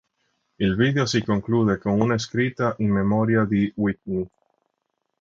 Il video si conclude con una scritta in memoria di Whitney.